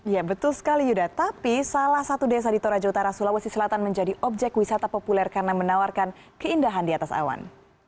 ya betul sekali yuda tapi salah satu desa di toraja utara sulawesi selatan menjadi objek wisata populer karena menawarkan keindahan di atas awan